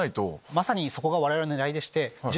まさにそこが我々の狙いでして。